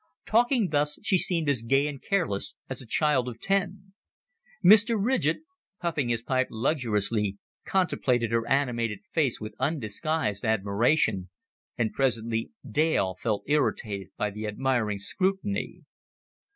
Talking thus, she seemed as gay and careless as a child of ten. Mr. Ridgett, puffing his pipe luxuriously, contemplated her animated face with undisguised admiration; and presently Dale felt irritated by the admiring scrutiny.